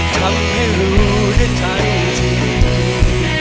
ทำให้รู้ได้ทันที